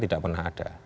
tidak pernah ada